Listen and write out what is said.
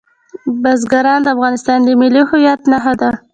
بزګان د افغانستان د ملي هویت نښه ده.